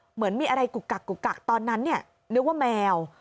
เหมือนมีอะไรกุกกักกุกกักตอนนั้นนึกว่าแมว